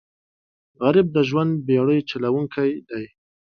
غریب د ژوند بېړۍ چلوونکی دی